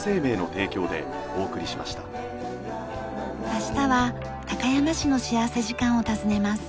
明日は高山市の幸福時間を訪ねます。